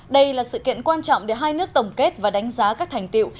đây là sự kiện quan trọng để hai nước tổng kết và đánh giá các thành tiệu